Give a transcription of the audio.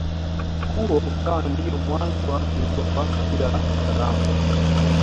Huo ukawa ndiyo mwanzo wa kuibuka kwa kabila la wazaramo